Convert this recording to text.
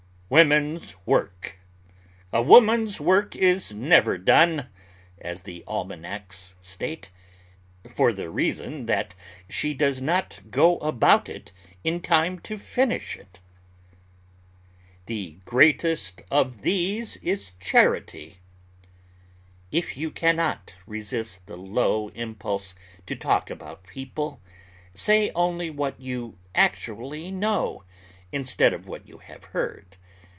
WOMAN'S WORK A woman's work is never done, as the almanacs state, for the reason that she does not go about it in time to finish it. THE GREATEST OF THESE IS CHARITY If you can not resist the low impulse to talk about people, say only what you actually know, instead of what you have heard.